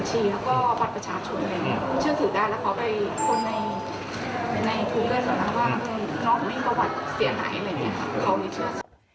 น้องมีประวัติเสียหายอะไรอย่างนี้เขามีเชื่อถือ